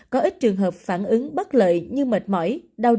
có ít trường hợp phản ứng bất lợi như mệt mỏi đau